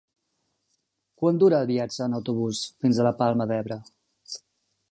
Quant dura el viatge en autobús fins a la Palma d'Ebre?